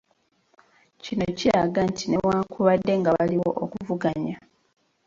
Kino kiraga nti newankubadde nga waliwo okuvuganya.